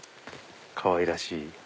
かわいらしい。